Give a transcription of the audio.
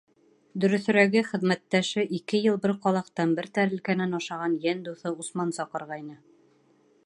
Дөрөҫөрәге, хеҙмәттәше, ике йыл бер ҡалаҡтан, бер тәрилкәнән ашаған йән дуҫы Усман саҡырғайны.